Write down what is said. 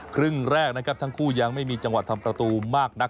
ครึ่งแรกนะครับทั้งคู่ยังไม่มีจังหวะทำประตูมากนัก